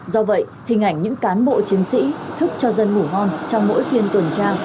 do vậy hình ảnh những cán bộ chiến sĩ thức cho dân ngủ ngon trong mỗi phiên tuần tra